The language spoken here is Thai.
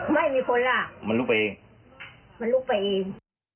ไม่มีคนลากมันลุกไปเอง